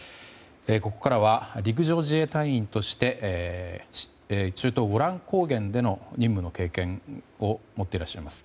ここからは陸上自衛隊員として中東ゴラン高原での任務の経験を持っていらっしゃいます